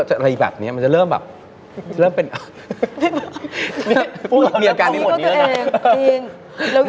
อะไรแบบนี้มันจะเริ่มแบบจะเริ่มเป็นพูดเรื่องนี้ก็ตัวเอง